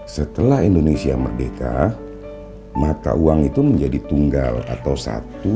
setelah indonesia merdeka mata uang itu menjadi tunggal atau satu